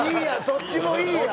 そっちもいいやん。